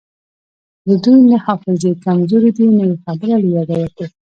د دوی نه حافظې کمزورې دي نه یی خبره له یاده وتې